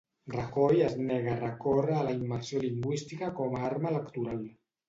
Rajoy es nega a recórrer a la immersió lingüística com a arma electoral.